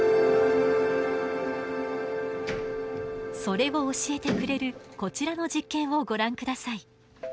それを教えてくれるこちらの実験をご覧ください。